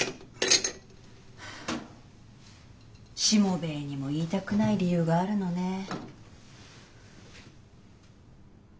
しもべえにも言いたくない理由があるのね。